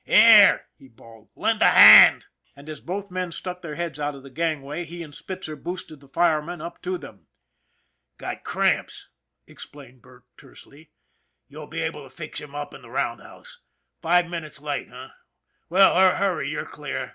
" Here !" he bawled. " Lend a hand !" And as both men stuck their heads out of the gangway, he and Spitzer boosted the fireman up to them. " Got cramps," explained Burke tersely. " You'll be able to fix him up in the roundhouse. Five minutes late, h'm? Well, hurry, you're clear.